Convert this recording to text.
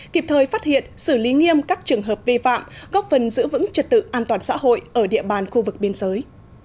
kịp thời phát hiện xử lý nghiêm các trường hợp vi phạm góp phần giữ vững trật tự an toàn xã hội ở địa bàn khu vực biên giới